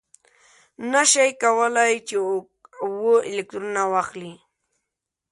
نه شي کولای چې اوه الکترونه واخلي.